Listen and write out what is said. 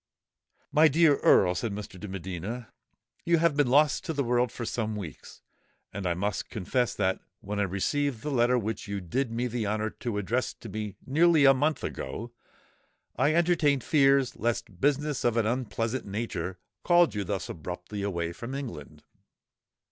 "My dear Earl," said Mr. de Medina, "you have been lost to the world for some weeks; and I must confess that when I received the letter which you did me the honour to address to me nearly a month ago, I entertained fears lest business of an unpleasant nature called you thus abruptly away from England."